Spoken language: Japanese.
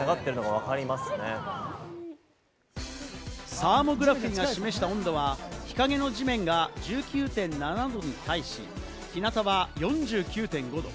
サーモグラフィーが示した温度は日陰の地面が１９．７度に対し、日なたは４９．５度。